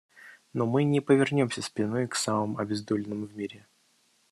Но мы не повернемся спиной к самым обездоленным в мире.